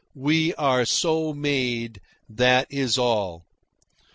We are so made, that is all.